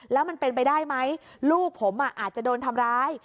แล้วมันเป็นไปได้ไหมลูกผมอาจจะโดนทำร้าย